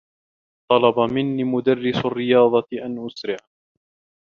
طلب منّي مدرّس الرّياضة أن أسرع.